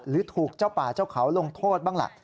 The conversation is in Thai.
หรือถูกเจ้าป่าเจ้าเขาลงโทษบ้างล่ะ